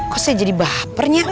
kok saya jadi bapernya